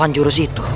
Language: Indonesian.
tuhan jurus itu